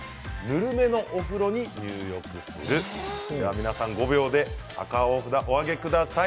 皆さん５秒で札をお上げください。